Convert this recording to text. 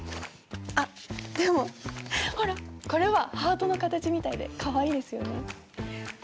あっでもほらこれはハートの形みたいでかわいいですよね。